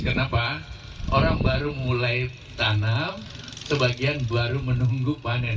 kenapa orang baru mulai tanam sebagian baru menunggu panen